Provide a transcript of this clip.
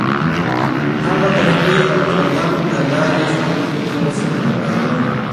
هغه د خولې او قلم له لارې خپل فکر څرګنداوه.